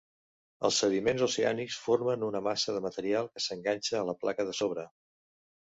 Els sediments oceànics formen una massa de material que s'enganxa a la placa de sobre.